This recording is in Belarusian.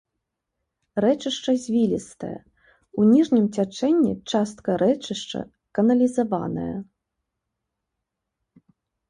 Рэчышча звілістае, у ніжнім цячэнні частка рэчышча каналізаваная.